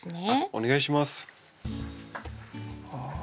お願いします。